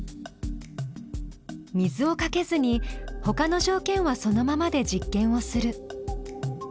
水をかけずにほかの条件はそのままで実験をする。